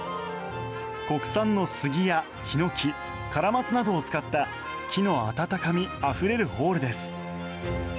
国産の杉やヒノキカラマツなどを使った木の温かみあふれるホールです。